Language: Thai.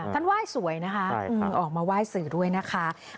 ไหว้สวยนะคะออกมาไหว้สื่อด้วยนะคะ